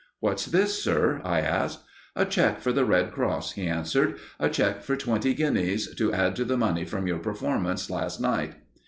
"What's this, sir?" I asked. "A cheque for the Red Cross," he answered. "A cheque for twenty guineas, to add to the money from your performance last night."